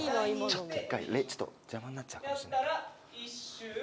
ちょっと１回ねちょっと邪魔になっちゃうかもしんない。